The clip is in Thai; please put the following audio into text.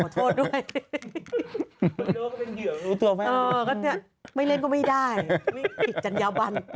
คนโด่ก็เป็นเหยื่อรู้ตัวแบบนี้ไม่เล่นก็ไม่ได้อีกจัญญาบัน